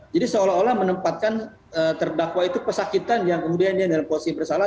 jadi seolah olah menempatkan terdakwa itu pesakitan yang kemudian dia dalam posisi bersalah